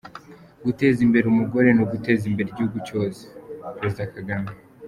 Guteza imbere umugore ni uguteza imbere igihugu cyose - Perezida Kagame